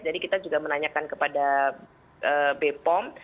jadi kita juga menanyakan kepada bepom